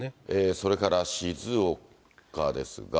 それから静岡ですが。